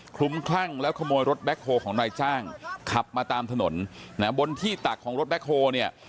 ลุ้มคลั่งแล้วขโมยรถแบ็คโฮลของนายจ้างขับมาตามถนนนะบนที่ตักของรถแบ็คโฮเนี่ย